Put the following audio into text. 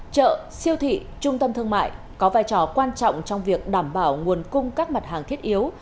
chợ siêu thị trung tâm thương mại có vai trò quan trọng trong việc đảm bảo nguồn cung các mặt hàng thiết yếu